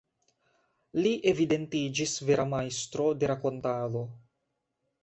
Li evidentiĝis vera majstro de rakontado.